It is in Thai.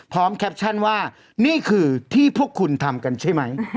แคปชั่นว่านี่คือที่พวกคุณทำกันใช่ไหม